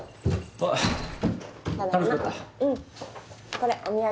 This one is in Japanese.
これお土産。